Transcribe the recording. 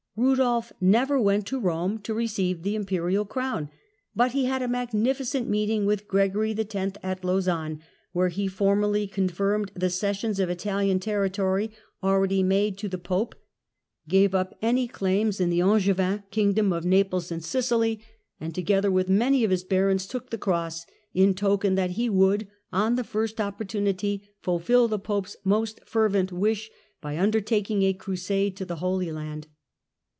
Rudolf never went to Rome to receive the Lnperial crown, but he had a magnificent meeting with Gregory X. at Meeting Lausanne, where he formally confirmed cessions of Italian Gregory x. territory already made to the Pope, gave up any claims ^^^^^^^1^' to the Angevin Kingdom of Naples and Sicily, and together Oct. 1275 with many of his Barons took the Cross, in token that he would, on the first opportunity, fulfil the Pope's most fervent wish, by undertaking a Crusade to the Holy Land.